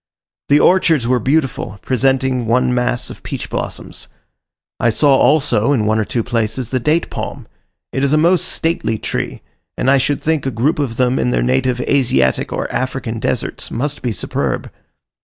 The orchards were beautiful, presenting one mass of peach blossoms. I saw, also, in one or two places the date palm; it is a most stately tree; and I should think a group of them in their native Asiatic or African deserts must be superb.